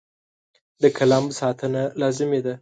د قلم ساتنه لازمي ده.